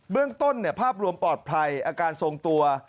เรื่องต้นภาพรวมปลอดภัยอาการทรงตัว